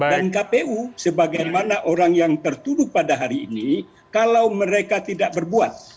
dan kpu sebagaimana orang yang tertuduh pada hari ini kalau mereka tidak berbuat